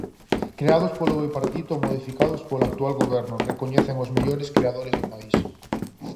Creados polo bipartito, modificados polo actual goberno, recoñecen os mellores creadores do país.